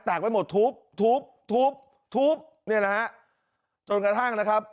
ไปหมดทุบทุบทุบทุบเนี่ยนะฮะจนกระทั่งนะครับ